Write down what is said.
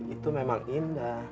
itu memang indah